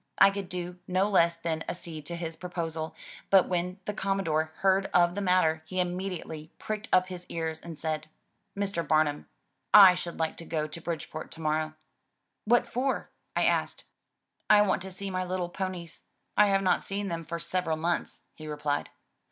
I could do no less than accede to his proposal, but when the Commodore heard of the matter, he immediately pricked up his ears, and said, "Mr. Bar num, / should like to go to Bridgeport to morrow." "What for?" I asked. "I want to see my little ponies. I have not seen them for several months," he replied.